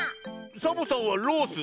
サボさんは「ロース」。